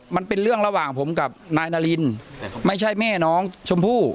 มันเป็นเรื่องระหว่างผมกับนายนารินไม่ใช่แม่น้องชมพู่